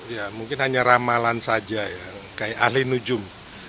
ya mungkin hanya ramalan saja ya kayak ahli nujum